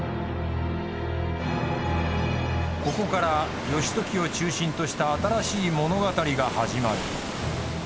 ここから義時を中心とした新しい物語が始まる。